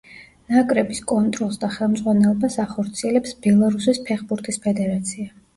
ნაკრების კონტროლს და ხელმძღვანელობას ახორციელებს ბელარუსის ფეხბურთის ფედერაცია.